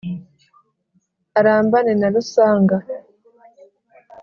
Arambane na Rusanga